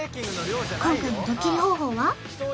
今回のドッキリ方法は？